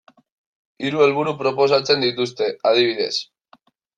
Hiru helburu proposatzen dituzte, adibidez.